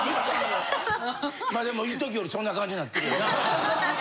まあでもいっときよりそんな感じになってるよな。